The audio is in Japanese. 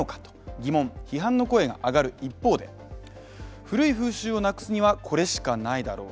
疑問・批判の声が上がる一方で古い風習をなくすには、これしかないだろう。